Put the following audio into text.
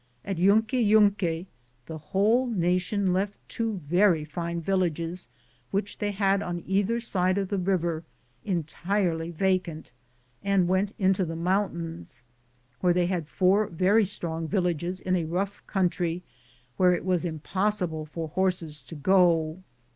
At Yuqueyunque the whole nation left two very fine villages which they had on either side of the river entirely vacant, and went into the mountains, where they had four very strong villages in a rough country, where it was impossible for horses to go.